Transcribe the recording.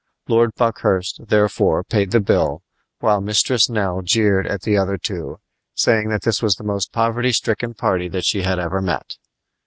Lord Buckhurst, therefore, paid the bill, while Mistress Nell jeered at the other two, saying that this was the most poverty stricken party that she had ever met.